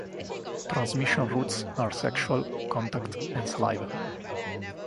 Transmission routes are sexual, contact, and saliva.